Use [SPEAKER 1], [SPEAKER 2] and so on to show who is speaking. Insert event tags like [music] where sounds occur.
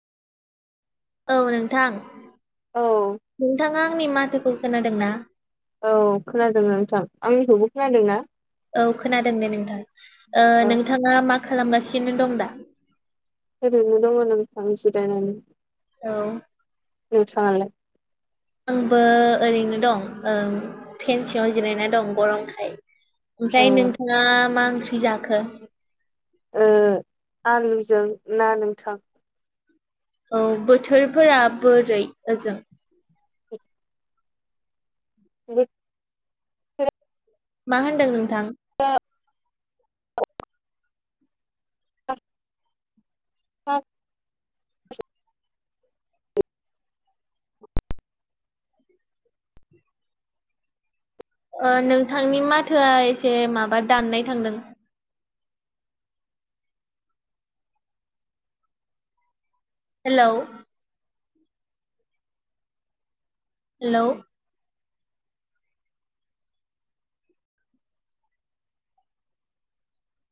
[SPEAKER 1] औ नोंथां
[SPEAKER 2] औ
[SPEAKER 1] नोंथाङा आंनि माथोखौ खोनादों ना
[SPEAKER 2] औ खोनादों नोंथां आंनिखौबो खोनादों ना
[SPEAKER 1] औ खोनादों दे नोंथां ओ
[SPEAKER 2] औ
[SPEAKER 1] नोंथाङा मा खालामगासिनो दं दा
[SPEAKER 2] ओरैनो दङ नोंथां जिरायनानै
[SPEAKER 1] औ
[SPEAKER 2] नोंथांआलाय
[SPEAKER 1] आंबो ओरैनो दं ओ फेेनसिआव जिरायना दं गरमखाय।
[SPEAKER 2] औ
[SPEAKER 1] ओमफ्राय नोंथाङा मा ओंख्रि जाखो?
[SPEAKER 2] ओ आलुजों ना नोंथां।
[SPEAKER 1] औ बोथोरफोरा बोरै ओजों?
[SPEAKER 2] गोद
[SPEAKER 1] मा होनदों नोंथां?
[SPEAKER 2] [unintelligible] [unintelligible] आ [unintelligible]
[SPEAKER 1] नोंथांनि माथोआ एसे माबा दाननाय थांदों हेलौ। हेलौ।